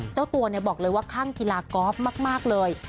เจ้าตัวบอกเลยว่าคลั่งกีฬากอล์ฟมากเลย